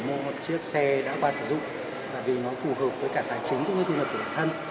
mua một chiếc xe đã qua sử dụng và vì nó phù hợp với cả tài chính cũng như thu nhập của bản thân